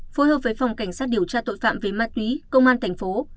phối hợp với phòng cảnh sát điều tra tội phạm về ma túy công an thành phố